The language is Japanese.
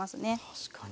確かに。